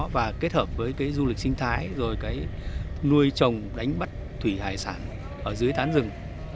và kết hợp với cái du lịch sinh thái rồi cái nuôi trồng đánh bắt thủy hải sản ở dưới tán rừng